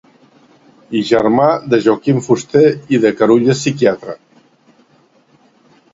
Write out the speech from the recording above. I germà de Joaquim Fuster i de Carulla psiquiatre.